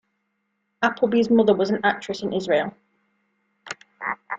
Appleby's mother was an actress in Israel.